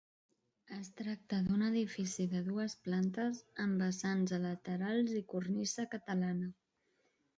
Es tracta d’un edifici de dues plantes, amb vessants a laterals i cornisa catalana.